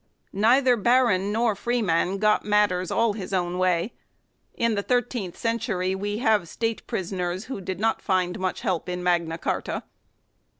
Neither baron nor freeman got matters all his own way. In the thirteenth century we have "state prisoners " who did not find much help in Magna Carta.